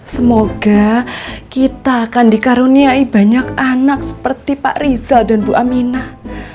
semoga kita akan dikaruniai banyak anak seperti pak rizal dan bu aminah